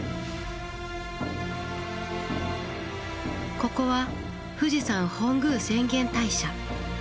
ここは富士山本宮浅間大社。